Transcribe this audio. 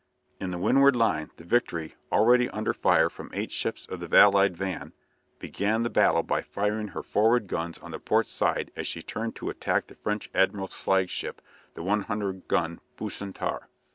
In the windward line the "Victory," already under fire from eight ships of the allied van, began the battle by firing her forward guns on the port side as she turned to attack the French admiral's flagship, the 100 gun "Bucentaure."